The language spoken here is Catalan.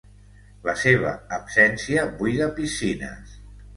La seva absència buida piscines.